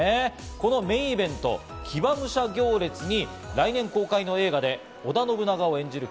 このメインイベント、騎馬武者行列に来年公開の映画で織田信長を演じる